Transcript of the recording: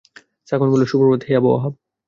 সাফওয়ান বলল, সুপ্রভাত, হে আবু ওহাব!